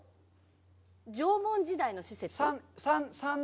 縄文時代の施設？さん。